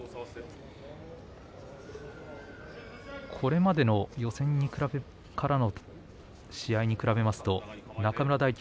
これまでの予選の試合に比べますと中村大輝